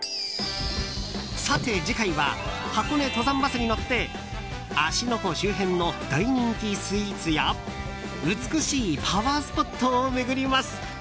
さて次回は箱根登山バスに乗って芦ノ湖周辺の大人気スイーツや美しいパワースポットを巡ります。